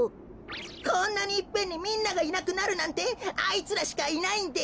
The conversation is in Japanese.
こんなにいっぺんにみんながいなくなるなんてあいつらしかいないんです。